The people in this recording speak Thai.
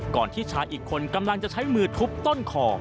ที่ชายอีกคนกำลังจะใช้มือทุบต้นคอ